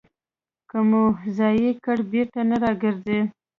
که مو ضایع کړ، بېرته نه راګرځي.